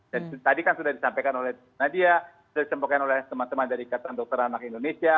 dan tadi kan sudah disampaikan oleh nadia sudah disampaikan oleh teman teman dari ketan dokter anak indonesia